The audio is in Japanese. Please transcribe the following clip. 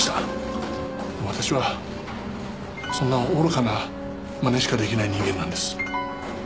でも私はそんな愚かなまねしかできない人間なんです。